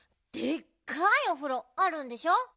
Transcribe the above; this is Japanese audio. でっかいおふろあるんでしょ？